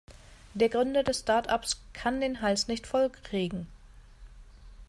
Der Gründer des Startups kann den Hals nicht voll kriegen.